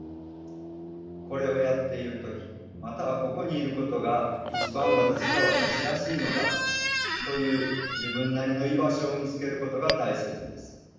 これをやっている時またはここにいることが一番私が私らしいのだという自分なりの居場所を見つけることが大切です。